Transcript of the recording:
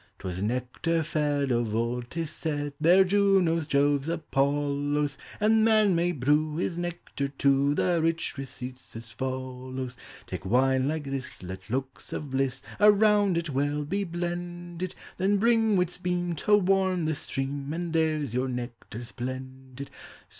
'T was nectar fed Of old, ?t is said. Their Junos, Joves, Apollos; And man mav brew His nectar too ; The rich receipt ?s as follows:— Take wine like this; Let looks of bliss Around it well l>e blended; Then bring wit's beam To warm the stream, And there's your nectar, splendid!